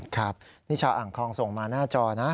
ครับนี่ชาวอ่างทองส่งมาหน้าจอนะ